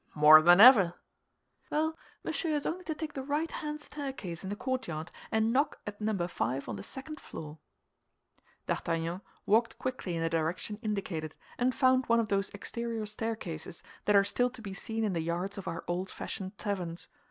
"More than ever." "Well, monsieur has only to take the right hand staircase in the courtyard, and knock at Number Five on the second floor." D'Artagnan walked quickly in the direction indicated, and found one of those exterior staircases that are still to be seen in the yards of our old fashioned taverns.